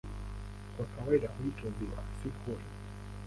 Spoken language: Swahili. Kwa kawaida huitwa "ziwa", si "hori".